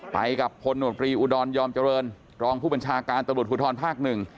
ไปกับพลโนตรีอุดรยอมเจริญรองผู้บัญชาการตำรวจภูทรภาคหนึ่ง